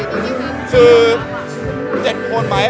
คือเจ็ดคนไหม